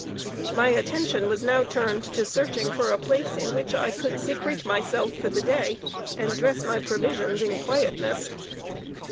My attention was now turned to searching for a place in which I could secrete myself for the day, and dress my provisions in quietness.